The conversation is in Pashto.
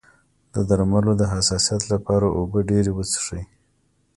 د درملو د حساسیت لپاره اوبه ډیرې وڅښئ